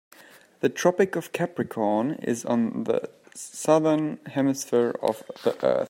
The Tropic of Capricorn is on the Southern Hemisphere of the earth.